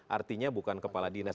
artinya bukan kepala dinas